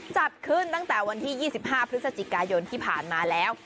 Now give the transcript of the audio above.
จัดขึ้นตั้งแต่วันที่๒๕พฤศจิกายนที่ผ่านมาแล้ว